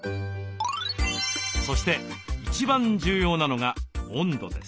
そして一番重要なのが温度です。